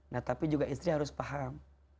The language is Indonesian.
nah tapi juga istri harus paham